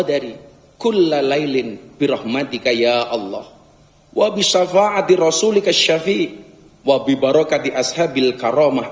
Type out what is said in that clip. dari kulai lain berhormati kaya allah wa bisafat di rasulika syafi i wa bi barokati ashabil karamah